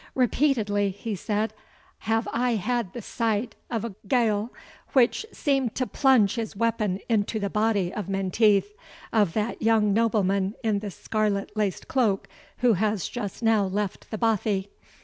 "Repeatedly," he said, "have I had the sight of a Gael, who seemed to plunge his weapon into the body of Menteith, of that young nobleman in the scarlet laced cloak, who has just now left the bothy.